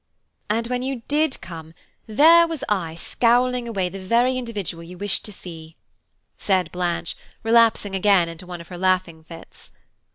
"And when you did come, there was I scowling away the very individual you wished to see," said Blanche, again relapsing into one of her laughing fits.